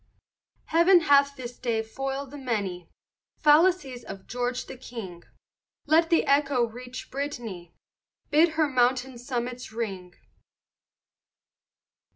Heaven hath this day foil'd the many Fallacies of George the King; Let the echo reach Britan'y, Bid her mountain summits ring.